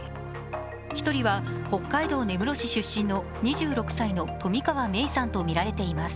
１人は北海道根室市出身の２６歳の冨川芽生さんとみられています。